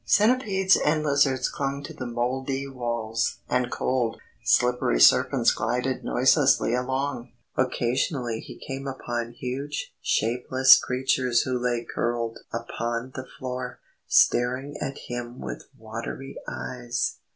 Centipedes and lizards clung to the mouldy walls, and cold, slippery serpents glided noiselessly along. Occasionally he came upon huge shapeless creatures who lay curled upon the floor, staring at him with watery eyes.